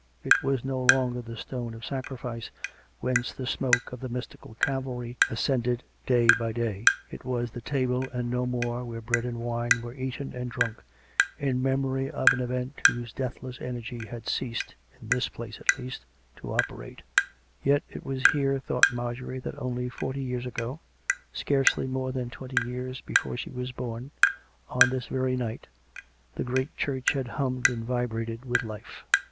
It was no longer the Stone of COME RACK! COME ROPE! 175 Sacrifice^ whence the smoke of the mystical Calvary as cended day by day: it was the table, and no more, where bread and wine were eaten and drunk in memory of an event whose deathless energy had ceased, in this place, at least, to operate. Yet it was here, thought Marjorie, that only forty years ago, scarcely more than twenty years before she was born, on this very Night, the great church had hummed and vibrated with life.